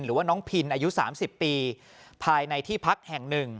หรือว่าน้องพินอายุ๓๐ปีภายในที่พักแห่ง๑